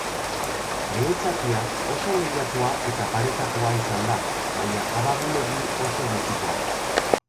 Lehen zatia oso lehiatua eta parekatua izan da, baina abagune oso gutxikoa.